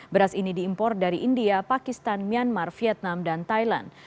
beras ini diimpor dari india pakistan myanmar vietnam dan thailand